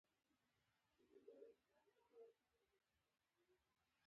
د نسیم شاه په لومړی بال د کریم جنت وکټه ولویده